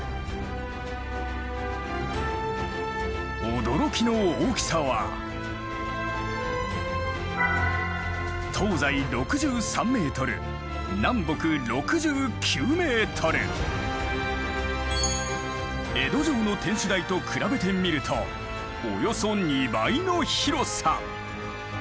驚きの大きさは江戸城の天守台と比べてみるとおよそ２倍の広さ。